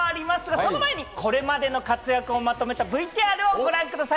その前にこれまでの活躍をまとめたＶＴＲをご覧ください。